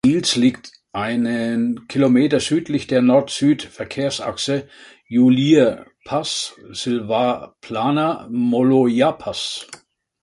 Sils liegt einen Kilometer südlich der Nord-Süd-Verkehrsachse Julierpass–Silvaplana–Malojapass.